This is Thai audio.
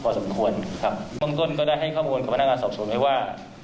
สมควรครับเบื้องต้นก็ได้ให้ข้อมูลกับพนักงานสอบสวนไว้ว่า